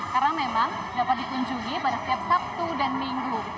karena memang dapat dikunjungi pada setiap sabtu dan minggu